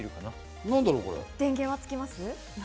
電源はつきます？